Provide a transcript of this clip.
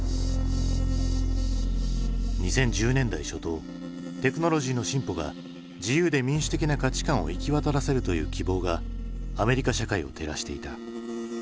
２０１０年代初頭テクノロジーの進歩が自由で民主的な価値観を行き渡らせるという希望がアメリカ社会を照らしていた。